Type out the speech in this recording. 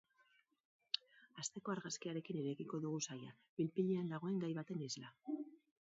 Asteko argazkiarekin irekiko dugu saila, pil-pilean dagoen gai baten isla.